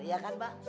iya kan pak